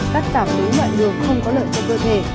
các trả phú loại đường không có lợi cho cơ thể